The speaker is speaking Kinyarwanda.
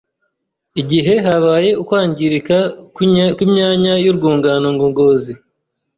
igihe habaye ukwangirika kw’imyanya y’urwungano ngogozi.